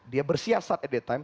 dia bersiasat at the time